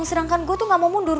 sedangkan gue tuh gak mau mundur